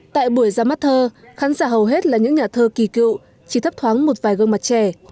tại buổi ra mắt thơ khán giả hầu hết là những nhà thơ kỳ cựu chỉ thấp thoáng một vài gương mặt trẻ